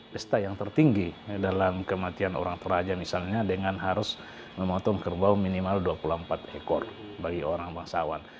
pesta yang tertinggi dalam kematian orang toraja misalnya dengan harus memotong kerbau minimal dua puluh empat ekor bagi orang bangsawan